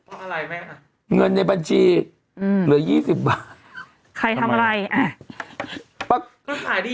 อะไรแม่อะเงินในบัญชีอืมเหลือยี่สิบบาทใครทำอะไรก็ขายดี